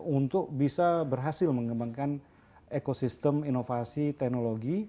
untuk bisa berhasil mengembangkan ekosistem inovasi teknologi